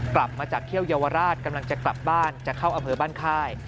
กลับมาจากเที่ยวเยาวราชกำลังจะกลับบ้านจะเข้าอำเภอบ้านค่าย